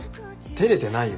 照れてないよ。